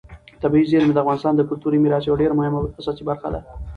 طبیعي زیرمې د افغانستان د کلتوري میراث یوه ډېره مهمه او اساسي برخه ده.